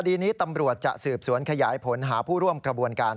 คดีนี้ตำรวจจะสืบสวนขยายผลหาผู้ร่วมกระบวนการ